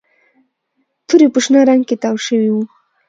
توري په شنه رنګ کې تاو شوي وو